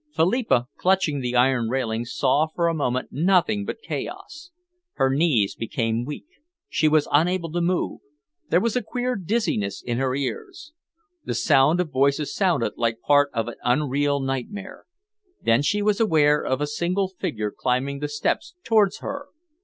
Philippa, clutching the iron railing, saw for a moment nothing but chaos. Her knees became weak. She was unable to move. There was a queer dizziness in her ears. The sound of voices sounded like part of an unreal nightmare. Then she was aware of a single figure climbing the steps towards her.